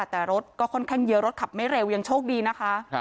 แต่รถก็ค่อนข้างเยอะรถขับไม่เร็วยังโชคดีนะคะ